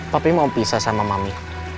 papay mau pisah sama mami